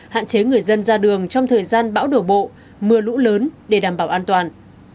hạn chế người dân ra đường trong thời gian bão đổ bộ mưa lũ lớn để đảm bảo an toàn